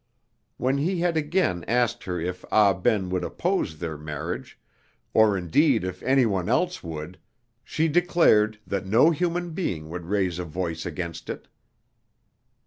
When he had again asked her if Ah Ben would oppose their marriage, or indeed if any one else would, she declared that no human being would raise a voice against it.